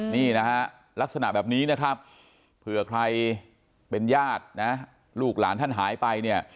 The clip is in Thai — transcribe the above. นี่นะฮะลักษณะแบบนี้นะครับเผื่อใครเป็นญาตินะลูกหลานท่านหายไปเนี่ย